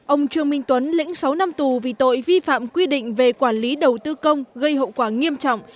ông trương minh tuấn lĩnh sáu năm tù vì tội vi phạm quy định về quản lý đầu tư công gây hậu quả nghiêm trọng